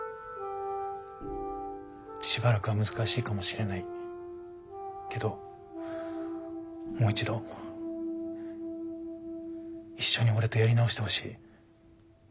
しばらくは難しいかもしれないけどもう一度一緒に俺とやり直してほしい。